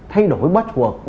thay đổi password